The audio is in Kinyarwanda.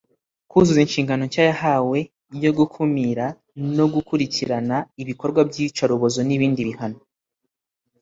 kuzuza inshingano nshya yahawe yo gukumira no gukurikirana ibikorwa by iyicarubozo n ibindi bihano